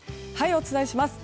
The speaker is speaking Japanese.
お伝えします。